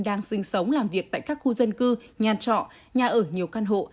đang sinh sống làm việc tại các khu dân cư nhà trọ nhà ở nhiều căn hộ